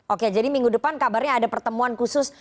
oke jadi minggu depan kabarnya ada pertemuan khusus